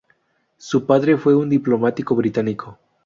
Su padre fue un diplomático británico.